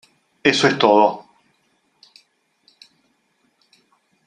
Eso es todo.